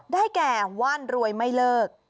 ได้แก่ว่านรวยไม่เลิก